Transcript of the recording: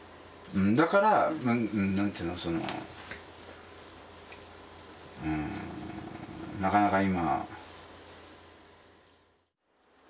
だから何ていうのそのうんなかなか今。